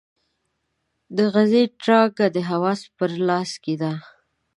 د غزې تړانګه د حماس په لاس کې ده.